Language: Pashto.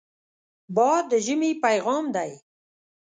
باد د ژمې پیغام دی